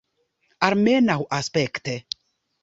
Almenaŭ aspekte.